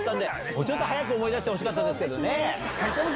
もうちょっと早く思い出してほしかったですけどね。